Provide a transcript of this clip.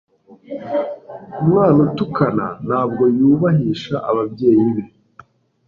umwana utukana ntabwo yubahisha ababyeyi be